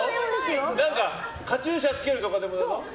何か、カチューシャ着けるとかでもだよ。